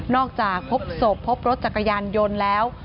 อกจากพบศพพบรถจักรยานยนต์แล้ว